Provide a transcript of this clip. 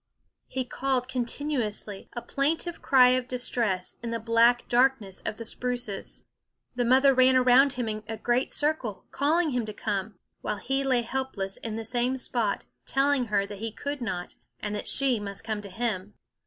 He called continuously, a plaintive cry of distress, in the black darkness of the spruces. The mother ran around him in a great circle, calling him to come; while he lay helpless in the same spot, telling her he could not, and that she must come to him.